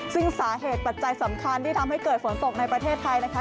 ซึ่งสาเหตุปัจจัยสำคัญที่ทำให้เกิดฝนตกในประเทศไทยนะคะ